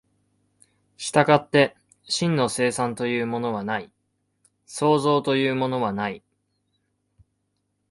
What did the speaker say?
従って真の生産というものはない、創造というものはない。